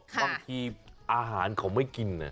บางทีอาหารเขาไม่กิน